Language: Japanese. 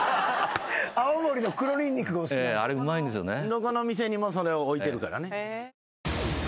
どこの店にもそれを置いてるからね。